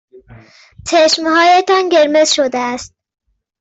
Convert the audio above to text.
چشمهایتان قرمز شده است.